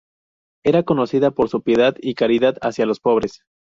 Era conocida por su piedad y caridad hacia los pobres.